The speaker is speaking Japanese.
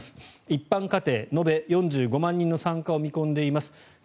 一般家庭延べ４５万人の参加を見込んでいます。